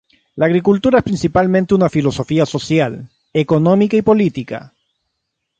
La agricultura es principalmente una filosofía social, económica y política.